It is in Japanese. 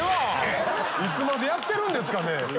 いつまでやってるんですかね。